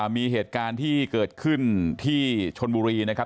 มีเหตุการณ์ที่เกิดขึ้นที่ชนโบรี